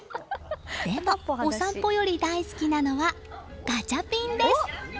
でも、お散歩より大好きなのはガチャピンです。